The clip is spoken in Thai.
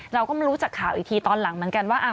เราก็มารู้จากข่าวอีกทีตอนหลังเหมือนกันว่า